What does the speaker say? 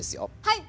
はい！